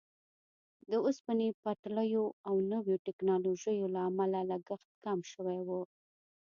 د اوسپنې پټلیو او نویو ټیکنالوژیو له امله لګښت کم شوی وو.